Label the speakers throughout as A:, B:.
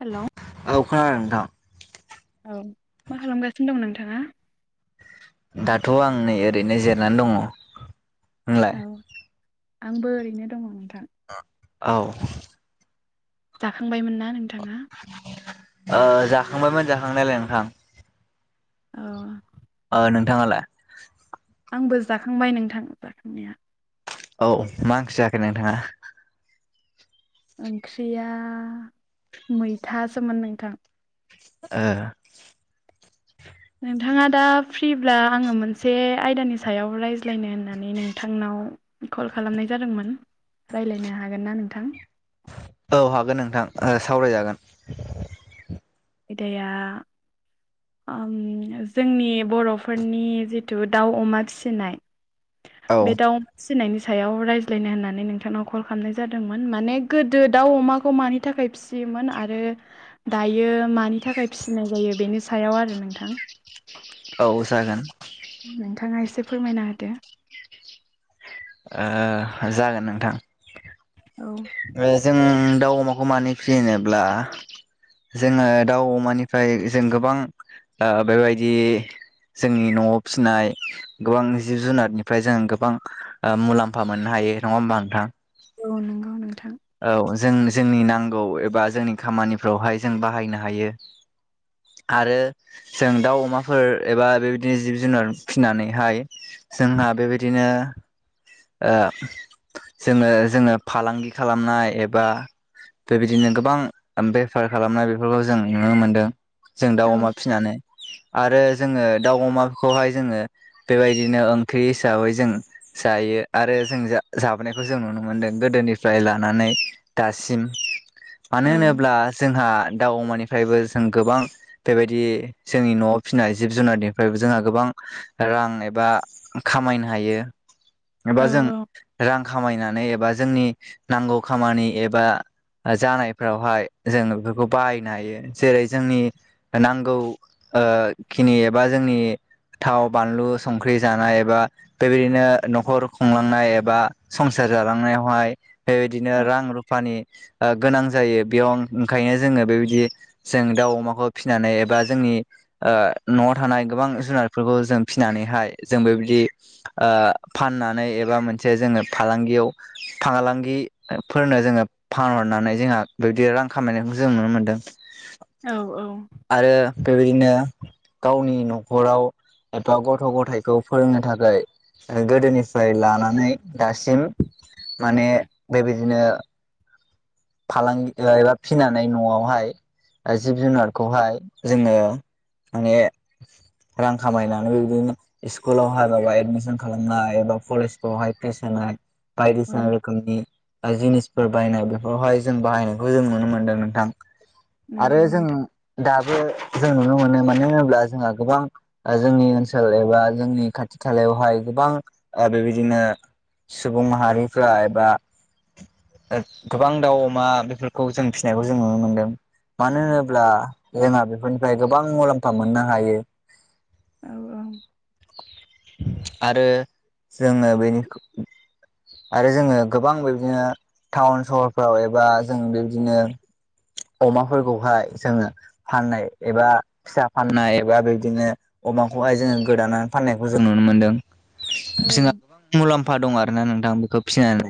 A: हेल'
B: औ खोनदों नोंथां
A: औ मा खालामगासिनो दं नोंथाङा
B: दाथ' आं नै ओरैनो जिरनानै दङ नोंलाय?
A: औ आंबो ओरैनो दङ नोंथां
B: औ
A: जाखांबायमोन ना नोंथाङा
B: जाखांबायमोन जाखांनायालाय नोंखां
A: औ
B: नोंथाङालाय
A: आंबो जाखांबाय नोंथां जाखांनाया
B: औ मा ओंखि नोंथाङा
A: ओंख्रिया मैथासोमोन नोंथां
B: ओ
A: नोंथाङा दा फ्रिब्ला आङो मोनसे आयदानि सायाव रायज्लायनो होननानै नोंथांनाव कल खालामनाय जादोंमोन राय्लायनो हागोन ना नोंथां।
B: औ हागोन नोंथां ओ सावरायजागोन
A: आयदाया आं जोंनि बर'फोरनि जिथु दाउ अमा फिसिनाय
B: औ
A: बे दाउ फिनायनि सायाव रायज्लायनो होननानै नोंथांनाव कल खालामनाय जादोंमोन माने गोदो दाउ अमाखौ मानि थाखाय फिसि योमोन आरो दायो मानि थाखाय फिसिनाय जायो बेनि सायाव आरो नोंथां।
B: औ जागोन
A: नोंथाङा एसे फोरमायना होदो।
B: ओ जागोन नोंथां।
A: औ
B: ओ जों दाउ अमाखौ मानो फिसियो होनोब्ला जोङो दाउ अमानिफ्राय जों गोबां ओ बेबायदि जोंनि न'आव फिसिनाय गोबां जिब जुनारनिफ्राय जों गोबां ओ मुलाम्फा मोननो हायो नङा होमबा नोंथां।
A: औ नंगौ नोंथां।
B: औ जों जोंनि नांगौ एबा जोंनि खामानिफ्रावहाय जों बाहायनो हायो। आरो जों दाउ अमाफोर एबा बेबायदिनो जिब जुनार फिसिनानैहाय जोंहा बेबायदिनो ओ जोङो जोङो फालांगि खालामनाय एबा बेबायदिनो गोबां बेफार खालामनाय बेफोरखौ जों नुनो मोनदों जों दाउ
A: औ
B: अमा फिसिनानै आरो जोङो दाउ अमाखौहाय जोङो बेबायदिनो ओंख्रि हिसाबै जों जायो आरो जों जा जाबोनायखौ जों नुनो मोनदों गोदोनिफ्राय लानानै दासिम मानो
A: औ
B: होनोब्ला जोंहा दाउ अमानिफ्रायबो जों गोबां बेबायदि जोंनि न'आव फिसिनाय जिब जुनारनिफ्रायबो जोंहा गोबां रां एबा खामायनो हायो। एबा
A: औ
B: जों रां खामायनानै एबा जोंनि नांगौ खामानि एबा ओ जानायफोरावहाय जोङो बेफोरखौ बाहायनो हायो जेरै जोंनि नांगौ ओ खिनि एबा जोंनि थाव बानलु संख्रि जानाय एबा बेबायदिनो न'खर खुंलांनाय एबा संसार जालांनायावहाय बेबायदिनो
A: औ
B: रां रुफानि ओ गोनां जायो बेयाव ओंखायनो जोङो बेबायदि जों दाउ अमाखौ फिसिनानै एबा जोंनि ओ न'आव थानाय गोबां जुनारफोरखौ जों फिनानैहाय जों बेबायदि ओ फाननानै एबा मोनसे जोङो फालांगियाव फांगालांगिफोरनो जोङो फानहरनानै जोंहा बेबायदि रां खामायनायखौ जों नुनो मोन्दों।
A: औ औ
B: आरो बेबायदिनो गावनि न'खराव एबा गथ' गथायाइखौ फोरोंनो थाखाय गोदोनिफ्राय लानानै दासिम माने बेबायदिनो फालांगि एबा फिसिनानै न'आवहाय जिब जुनारखौहाय जोङो माने रां खामायनानैबो बिदिनो स्कुलावहाय माबा एदमिसन खालामनाय एबा कलेजखौावहाय फिस होनाय बायदिसिना
A: औ
B: रोखोमनि जिनिसफोर बायनाय बोवहाय जों बाहायनायखौ जों नुनो मोनदों नोंथां आरो
A: नंगौ
B: जों
A: नोंथां
B: दाबो जों नुनो मोनो मानो होनोब्ला जोंहा गोबां ओ जोंनि ओनसोल एबा जोंनि खाथि खालायावहाय गोबां ओ बेबायदिनो सुबुं माहारिफ्रा एबा [unintelligible] गोबां दाउ अमा बेफोरखौ जों फिसिनायखौ जों नुनो मोनदों। मानो होनोब्ला जोंहा बेफोरनिफ्राय गोबां मुलाम्फा मोननो हायो।
A: औ औ
B: आरो जोङो बेनिखुय आरो जोङो गोबां बिबदिनो टाउन सहरफ्राव एबा जों बेबदिनो अमाफोरखौहाय जोंङो फाननाय एबा फिसा फाननाय एबा बिदिनो अमाखौहाय जोंङो गोदानानै फाननायखौ जों नुनो मोन्दों। जोंहा
A: औ
B: मुलाम्फा दं आरो ना नोंथां बेखौ फिसिनानै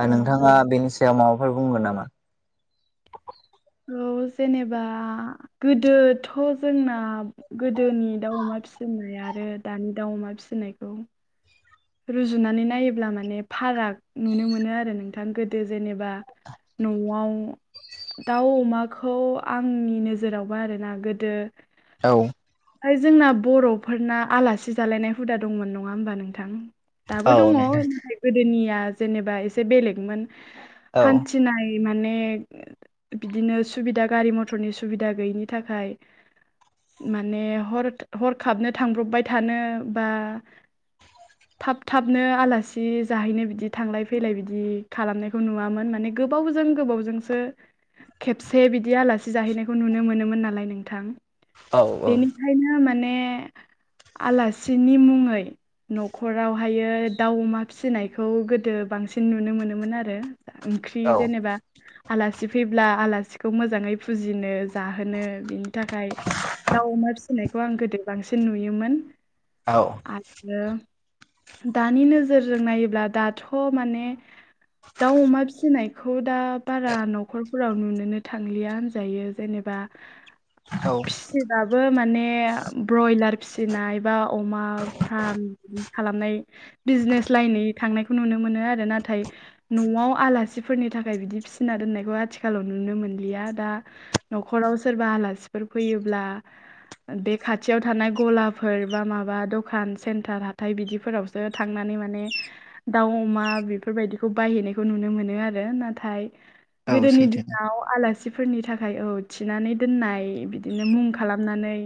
B: आ
A: औ
B: नोंथाङा बेनि सायाव माबाफोर बुंगोन नामा?
A: औ जेनेबा गोदोथ' जोंना गोदोनि दाउ अमा फिसिनाय आरो दानि दाउ अमा फिसिनायखौ रुजुनानै नायोब्ला माने फाराग नुनो मोनो आरो नोंथां गोदो जेनेबा न'आव दाउ अमाखौ आंनि नोजोरावबो आरोना गोदो
B: औ
A: है जोंना बर'फोरना आलासि जालायनाय हुदा दंमोन नङा होमबा नोंथां दाबो
B: औ
A: दङ
B: नोंथां
A: नाथाय गोदोनिया जेनेबा एसे बेलेगमोन
B: औ
A: हान्थिनाय माने बिदिनो सुबिदा गारि मथरनि सुबिदा गैयिनि थाखाय माने हर हरखाबनो थांब्रबबाय थानो बा थाब थाबनो आलासि जाहैनो बिदि थांलाय फैलाय बिदि खालामनायखौ नुवामोन माने गोबावजों गोबावजोंसो खेबसे बिदि आलासि जाहैनायखौ नुनो मोनोमोन नालाय नोंथां। बेनिखायनो माने आलासिनि मुङै न'खरावहायो दाउ अमा फिसिनायखौ गोदो बांसिन नुनो मोनोमोन आरो ओंख्रि
B: औ
A: जेनेबा आलासि फैब्ला आलासिखौ मोजाङै फुजिनो जाहोनो बिनि नि थाखाय दाउ अमा फिसिनायखौ आं गोदो बांसिन नुयोमोन।
B: औ
A: आरो दानि नोजोरजों नायोब्ला दाथ' माने दाउ अमा फिसिनायखौ दा बारा न'खरफोराव नुनोनो थांलिया होनजायो जेनेबा [inaudible]
B: औ
A: फिसिबाबो माने ब्रयलार फिसिनाय बा अमा फार्म खालामनाय बिजनेस लाइनै थांनायखौ नुनो मोनो आरो नाथाय न'आव आलासिफोरनि थाखाय बिदि फिसिना दोननायखौ आथिखालाव नुनो मोनलिया दा न'खराव सोरबा आलासिफोर फैयोब्ला बे खाथियाव थानाय गलाफोर बा माबा दखान सेन्टार हाथाय बिदिफोरावसो थांनानै माने दाउ अमा बेफोरबायदिखौ बायहैनायखौ नुनो मोनो आरो नाथाय
B: औ
A: गोदोनि
B: सैथो
A: दिनाव आलासि मानसिफोरनि थाखाय औ थिनानै दोननाय बिदिनो मुं खालामनानै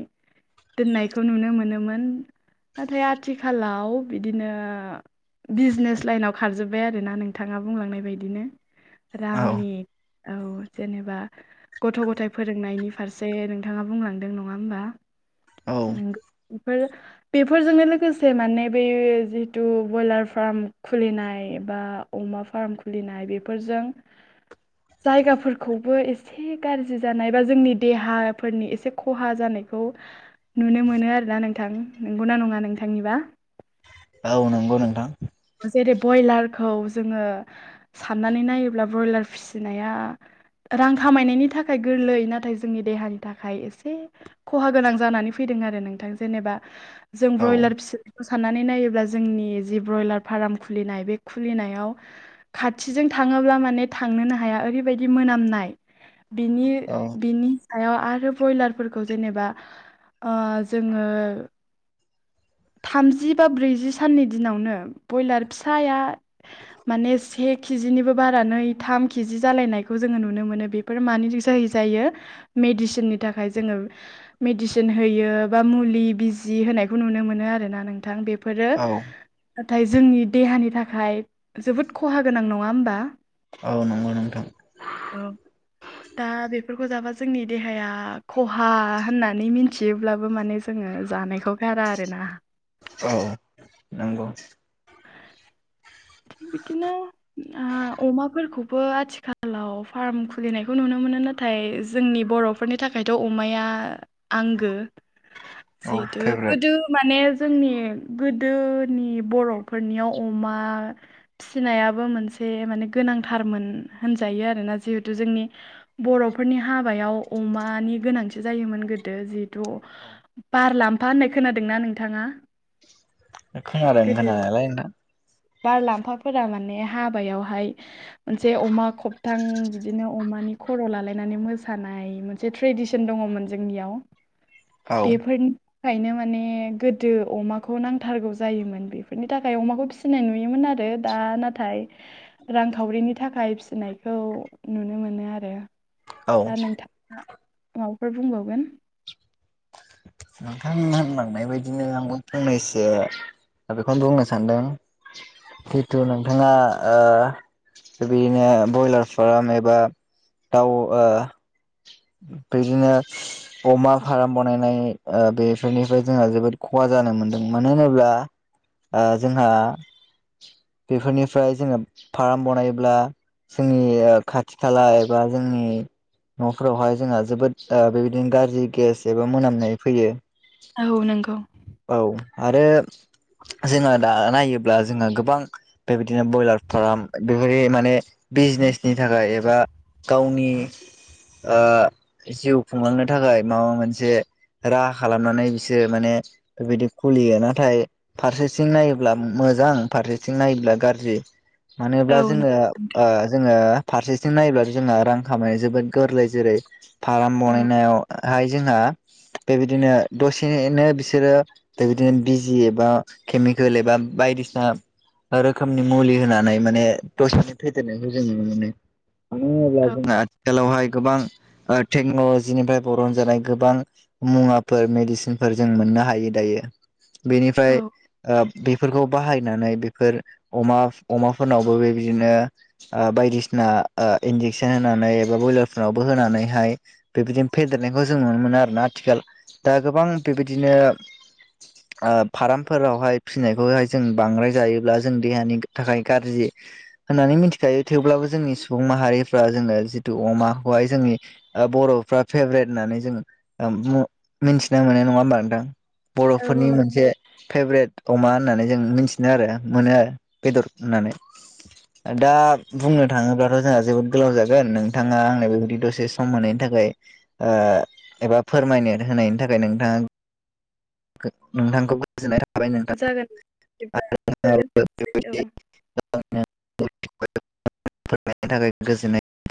A: दोननायखौ नुनो मोनोमोन नाथाय आथिखालाव बिदिनो बिजनेस लाइनाव खारजोब्बाय आरोना नोंथाङा बुंलांनाय बायदिनो
B: औ
A: रांनि औ जेनेबा गथ' गथायाइ फोरोंनायनि फारसे नोंथाङा बुंलांदों नङा होमबा
B: औ
A: नंगौ बेफोर बेफोरजोंनो लोगोसे माने बै जितु ब्रयलार फार्म खुलिनाय बा अमा फार्मखौ खुलिनाय बेफोरजों जायगाफोरखौबो एसे गाज्रि जानाय बा जोंनि देहाफोरनि एसे खहा जानायखौ नुनो मोनो आरोना नोंथां नंगौना नङा नोंथांनिबा
B: औ नंगौ नोंथां।
A: जेरै ब्रयलारखौ जोङो साननानै नायोब्ला ब्रयलार फिसिनाया रां खामायनायनि थाखाय गोरलै नाथाय जोंनि देहानि थाखाय एसे खहा गोनां जानानै फैदों आरो नोंथां जेनेबा जों
B: औ
A: ब्रयलार फिखौ साननानै नायोब्ला जोंनि जि ब्रयलार फार्म खुलिनाय बे खुलिनायाव खाथिजों थाङोब्ला माने थांनोनो हाया ओरैबायदि मोनामनाय बिनि
B: औ
A: बिनि हायाव आरो ब्रयलारफोरखौ जेनेबा जोङो थामजि बा ब्रैजि साननि दिनावनो ब्रयलार फिसाया माने से केजिनिबो बारा नै थाम केजि जालायनायखौ जोङो नुनो मोनो बे बेफोर मानिजों जायो मेडिसिननि थाखाय जोङो मेडिसिन होयो बा मुलि बिजि होनायखौ नुनो मोनो आरोना नोंथां बेफोरो
B: औ
A: नाथाय जोंनि देहानि थाखाय जोबोद खहा गोनां नङा होमबा?
B: औ नंगौ नोंथां
A: द दा बेफोरखौ जाबा जोंनि देहाया खहा होननानै मिथियोब्लाबो माने जोङो जानायखौ गारा आरोना
B: औ नंगौ
A: थि बिदिनो ओ अमाफोरखौबो आथिखालाव फार्म खुलिनायखौ नुनो मोनो नाथाय जोंनि बर' फोरनि थाखायथ' अमाया आंगो
B: औ
A: जिहेथु
B: फेभरेट
A: गोदो माने जोंनि गोदोनि बर'फोरनियाव अमा फिसिनायाबो मोनसे माने गोनांथारमोन होनजायो आरोना जिहेथु जोंनि बर'फोरनि हाबायाव अमानि गोनांथि जायोमोन गोदो जिहेथु
B: औ
A: बारलांफा होननाय खोनादोंना नोंथाङा?
B: खोनादों खोनानायालाय नोंथां
A: बार लाम्फाफोरा माने हाबायावहाय मोनसे अमा खबथां बिदिनो अमानि खर' लालायनानै मोसानाय जे ट्रेडिसन दङमोन जोंनियाव
B: औ
A: बेफोरनि थाखायनो माने गोदो अमाखौ नांथारगौ जायोमोन बेफोरनि थाखाय अमाखौ फिसिनाय नु नुयोमोन आरो दा नाथाय रांखावरिनि थाखाय फिसिनायखौ नुनो मोनो आरो
B: औ
A: दा नोंथाङा माबाफोर बुंबावगोन?
B: नोंथां होनलांनाय बायदिनो आंबो फंनैसो बेखौनो बुंनो सानदों जिथु नोंथाङा बिदिनो ब्रयलार फाराम एबा दाउ ओ बिदिनो अमा फार्म बानायनाय ओ बेफोरनिफ्राय जोंहा जोबोद खहा जानो मोन्दों मानो होनोब्ला ओ जोंहा बेफोरनिफ्राय जोङो फार्म बनायल्बा जोंनि खाथि खाला एबा जोंनि नफोरावहाय जोंहा जोबोद बेबायदिनो गाज्रि गेस एबा मोनामनाय फैयो।
A: औ नंगौ
B: औ आरो जोङो दा नायोब्ला जोङो गोबां बेबायदिनो ब्रयलार फार्म बेफोरदि माने बिजनेसनि थाखाय एबा गावनि ओ जिउ खुंलांनो थाखाय माबा मोनसे राहा खालामनानै बिसोरो माने बेबायदि खुलियो। नाथाय फारसेसिं नायोब्ला मोजां फारसे आथिं नायोब्ला गाज्रि
A: औ
B: मानोब्ला जोङो
A: नंगौ
B: जोङो फारसेथिं नायब्ला जोंहा रां खामायनाय जोबोद गोरलै जेरै फाराम
A: औ
B: बानायनायाव हाय जोंहा बेबायदिनो दसेनो बिसोरो दा बिदिनो बिजि एबा केमिकेल एबा बायदिसिना रोखोमनि मुलि होनानै माने दसेनो फेदेरनायखौ जों नुनो मोनो मानो होनोब्ला
A: औ औ
B: जोंहा आथिखालावहाय गोबां टेक्न'लजिनिफ्राय बरन जानाय गोबां मुवाफोर मेडिसिनफोर जों मोननो हायो दायो। बेनिफ्राय
A: औ
B: ओ बेफोरखौ बाहायनानै बेफोर अमा अमाफोरनावबो बेबायदिनो ओ बायदिसिना ओ इन्जेकसन होनानै एबा बयलारफोरावबो होनानैहाय बेबायदिनो फेदेरनायखौ जों नुनो मोनो आरोना। आथिखाल दा गोबां बेबायदिनो फार्मफोरावहाय फिसिनायखौहाय जों बांद्राय जायो। ब्ला जों देहानि थाखाय गाज्रि। होननानै मिथिखायो थेवब्लाबो जोंनि सुबुं माहारिफ्रा जोङो जितु अमाखौहाय जोंनि ओ बर'फ्रा फेभरेट होननानै जों मिथिना मोननाय नङा होमबा नोंथां। बर'फोरनि
A: औ
B: मोनसे फेभरेट अमा होननानै जों मिथिनो आरो। मोनो आरो बेदर होननानै। ओ दा बुंनो थाङोब्लाथ' जोंहा जोबोद गोलाव जागोन नोंथाङा आंनो बेबायदि दसे सम होनायनि थाखाय ओ एबा फोरमायनो होनायनि थाखाय नोंथां नोंथांखौ गोजोननाय थाबाय
A: जागोन बिदिब्ला
B: नोंथां आरो
A: दोनबाय औ
B: बेबायदि [unintelligible]